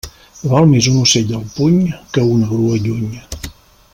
Val més un ocell al puny que una grua lluny.